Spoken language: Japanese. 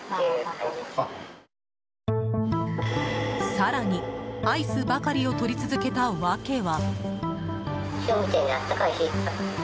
更に、アイスばかりをとり続けた訳は。